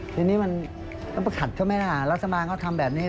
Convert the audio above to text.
ทีนี้มันรับคัดเข้าไม่ได้รัฐบาลเขาทำแบบนี้